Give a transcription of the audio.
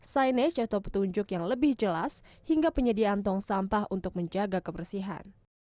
signage atau petunjuk yang lebih jelas hingga penyediaan tong sampah untuk menjaga kebersihan